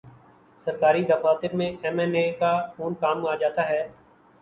سرکاری دفاتر میں ایم این اے کا فون کام آجا تا ہے۔